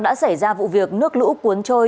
đã xảy ra vụ việc nước lũ cuốn trôi